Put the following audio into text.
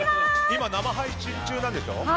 今、生配信中でしょ？